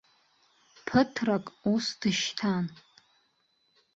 Ԥыҭрак ус дышьҭан.